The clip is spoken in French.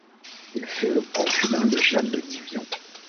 Il fut le concubin de Jeanne de Divion.